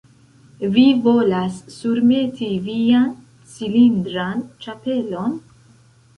Vi volas surmeti vian cilindran ĉapelon?